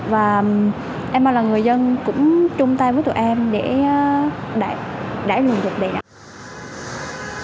và em mong là người dân cũng chung tay với tụi em để đải lùng dịch này